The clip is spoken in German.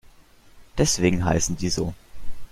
Deswegen heißen die so.